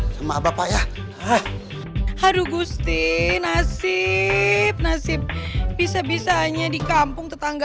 sampai jumpa di video selanjutnya